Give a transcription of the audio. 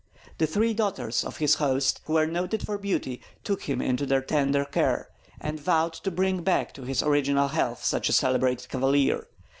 The three daughters of his host, who were noted for beauty, took him into their tender care, and vowed to bring back to his original health such a celebrated cavalier.